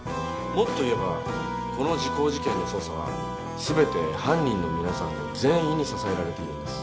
もっと言えばこの時効事件の捜査はすべて犯人の皆さんの善意に支えられているんです。